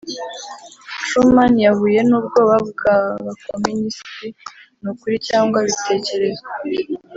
truman yahuye n'ubwoba bw'abakomunisiti, nukuri cyangwa bitekerezwa